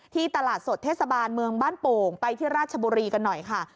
ตลาดสดเทศบาลเมืองบ้านโป่งไปที่ราชบุรีกันหน่อยค่ะ